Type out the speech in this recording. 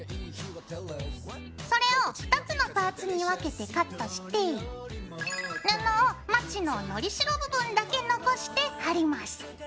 それを２つのパーツに分けてカットして布をまちののりしろ部分だけ残して貼ります。